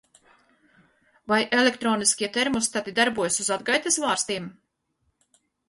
Vai elektroniskie termostati darbojas uz atgaitas vārstiem?